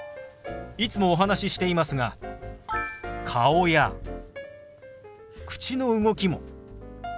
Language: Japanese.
いつもお話ししていますが顔や口の動きも手話の一部ですよ。